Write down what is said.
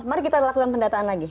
mari kita lakukan pendataan lagi